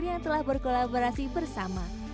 yang telah berkolaborasi bersama